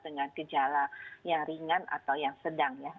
dengan gejala yang ringan atau yang sedang ya